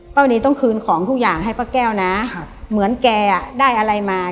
วันนี้ต้องคืนของทุกอย่างให้ป้าแก้วนะครับเหมือนแกอ่ะได้อะไรมา